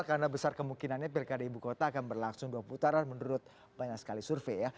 karena besar kemungkinannya pilkada ibu kota akan berlangsung dua putaran menurut banyak sekali survei